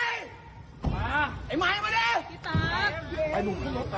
หลงหน้าเลยพี่